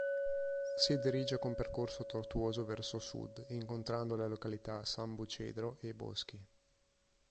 Si dirige con percorso tortuoso verso sud incontrando le località Sambucedro e Boschi.